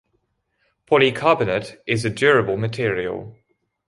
Polycarbonate is a durable material.